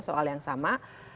soal yang sama